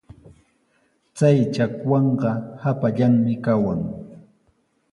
Chay chakwanqa hapallanmi kawan.